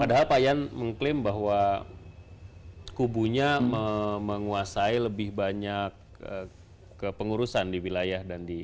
padahal pak yan mengklaim bahwa kubunya menguasai lebih banyak kepengurusan di wilayah dan di